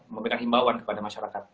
membuat himbauan kepada masyarakat